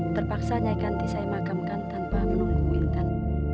terpaksanya ganti saya magamkan tanpa menunggu bu wintan